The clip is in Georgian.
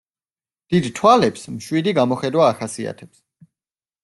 დიდ თვალებს მშვიდი გამოხედვა ახასიათებს.